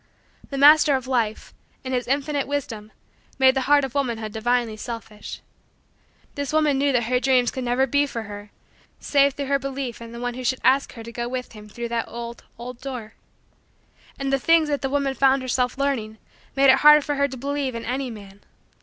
The Master of Life, in His infinite wisdom, made the heart of womanhood divinely selfish. This woman knew that her dreams could never be for her save through her belief in the one who should ask her to go with him through that old, old, door. And the things that the woman found herself learning made it hard for her to believe in any man.